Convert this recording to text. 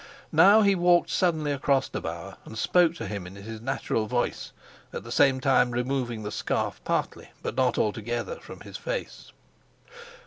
Now he walked suddenly across to Bauer, and spoke to him in his natural voice, at the same time removing the scarf partly, but not altogether, from his face.